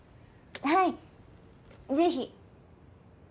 はいぜひ。